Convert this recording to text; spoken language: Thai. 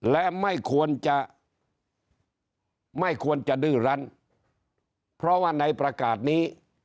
และไม่ควรจะไม่ควรจะดื้อรันเพราะว่าในประกาศนี้